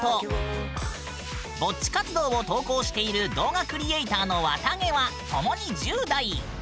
ぼっち活動の様子を投稿している動画クリエイターのわたげは共に１０代。